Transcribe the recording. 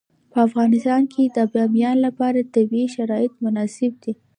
په افغانستان کې د بامیان لپاره طبیعي شرایط مناسب دي.